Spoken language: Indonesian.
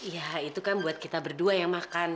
ya itu kan buat kita berdua yang makan